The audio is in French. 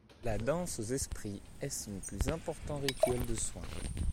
La danse aux esprits est son plus important rituel de soins.